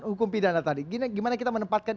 hukum pidana tadi gimana kita menempatkan